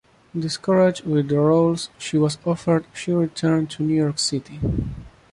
Discouraged with the roles she was offered she returned to New York City.